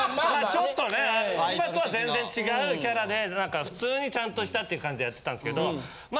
ちょっとね今とは全然違うキャラで何か普通にちゃんとしたって感じでやってたんですけどま